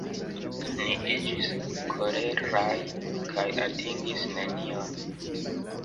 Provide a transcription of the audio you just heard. Ni iĝis koleraj kaj atingis nenion.